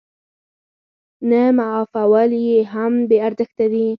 نه معافول يې هم بې ارزښته دي.